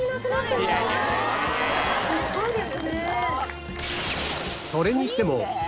すごいですね。